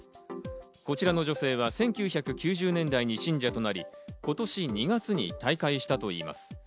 こちらの女性は１９９０年代に信者となり、今年２月に退会したといいます。